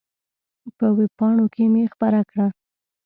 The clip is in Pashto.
په وېب پاڼو کې مې خپره کړه.